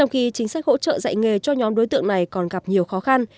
kinh sách hỗ trợ dạy nghề cho nhóm đối tượng này còn gặp nhiều khó khăn